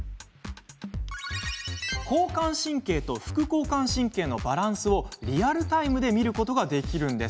交感神経と副交感神経のバランスをリアルタイムで見ることができるんです。